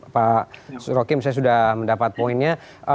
pak rokim saya sudah mendapat poinnya